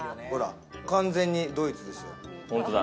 完全にドイツですよ。